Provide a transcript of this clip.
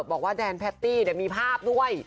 บอกว่าแดนแพตตี้มีภาพด้วย